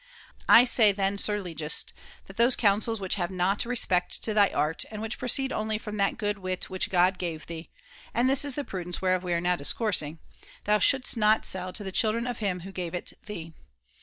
I say, then, sir legist, that those counsels which have not respect to thy art, and which proceed only from that good wit which God gave thee (and this is the prudence whereof we are now discoursing), thou shouldest not sell to the children of him who gave it thee.